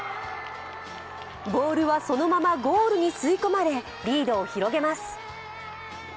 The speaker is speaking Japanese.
ボールはそのままゴールに吸い込まれ、リードを広げます。